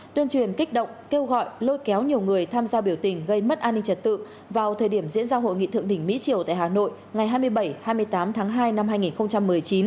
tuyên truyền kích động kêu gọi lôi kéo nhiều người tham gia biểu tình gây mất an ninh trật tự vào thời điểm diễn ra hội nghị thượng đỉnh mỹ triều tại hà nội ngày hai mươi bảy hai mươi tám tháng hai năm hai nghìn một mươi chín